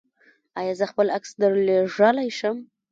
ایا زه خپل عکس درلیږلی شم؟